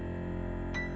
nih ini udah gampang